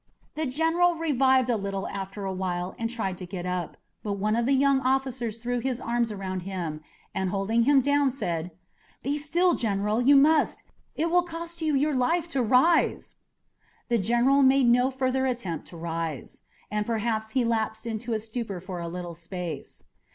The general revived a little after a while and tried to get up, but one of the young officers threw his arms around him and, holding him down, said: "Be still, General! You must! It will cost you your life to rise!" The general made no further attempt to rise, and perhaps he lapsed into a stupor for a little space.